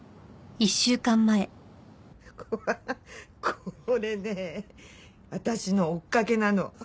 これね私の追っかけなの。